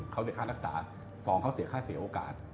เขาเสียค่ารักษา๒เขาเสียค่าเสียโอกาส